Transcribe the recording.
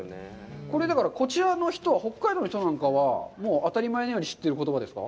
これ、こちらの北海道の人なんかは当たり前のように知ってる言葉ですか？